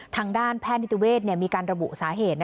ทางด้านแพทย์นิติเวศมีการระบุสาเหตุ